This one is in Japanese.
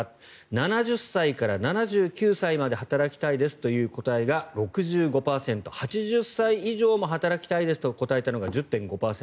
７０歳から７９歳まで働きたいですという答えが６５％８０歳以上も働きたいですと答えたのが１０．５％。